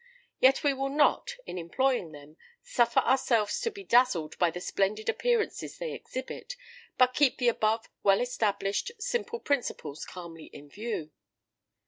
Yet we will not, in employing them, suffer ourselves to be dazzled by the splendid appearances they exhibit, but keep the above well established, simple principles calmly in view.